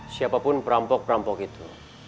siapapun perampok perampok itu